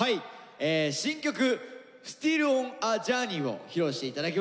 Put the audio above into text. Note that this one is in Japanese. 新曲「Ｓｔｉｌｌｏｎａｊｏｕｒｎｅｙ」を披露していただきます。